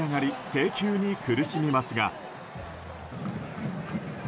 制球に苦しみますが。